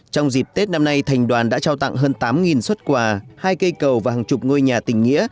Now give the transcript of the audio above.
trong dịp tết năm nay thành đoàn đã trao tặng hơn tám xuất quà hai cây cầu và hàng chục ngôi nhà tình nghĩa